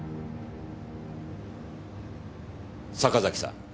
坂崎さん。